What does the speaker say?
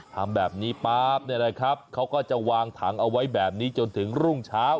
ทำแบบนี้ป๊าบเนี่ยนะครับเขาก็จะวางถังเอาไว้แบบนี้จนถึงรุ่งเช้า